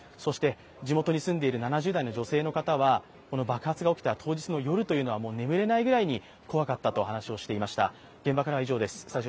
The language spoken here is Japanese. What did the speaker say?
地元に住んでいる７０代の女性の方は、爆発が起きた当日の夜は眠れないぐらいに怖かったと話していました。